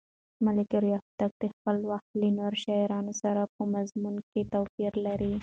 ملکیار هوتک د خپل وخت له نورو شاعرانو سره په مضمون کې توپیر لري.